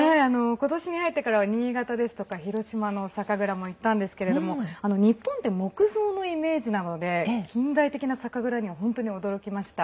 今年に入ってからは新潟ですとか広島の酒蔵も行ったんですけれども日本って木造のイメージなので近代的な酒蔵には本当に驚きました。